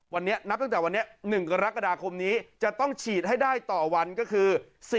วันนี้นับตั้งแต่วันนี้๑กรกฎาคมนี้จะต้องฉีดให้ได้ต่อวันก็คือ